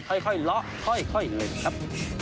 ค่อยค่อยล้อค่อยค่อยเหลือครับ